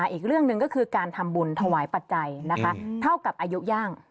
อีกเรื่องหนึ่งก็คือการทำบุญถวายปัจจัยนะคะเท่ากับอายุย่าง